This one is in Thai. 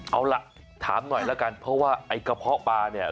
เอาล่ะถามหน่อยแล้วกันเพราะว่าไอ้กระเพาะปลาเนี่ย